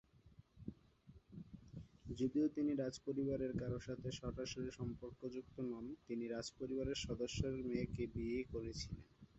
যদিও তিনি রাজ পরিবারের কারও সাথে সরাসরি সম্পর্কযুক্ত নন, তিনি রাজপরিবারের সদস্যের মেয়েকে বিয়ে করেছিলেন।